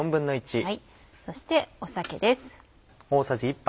そして酒です。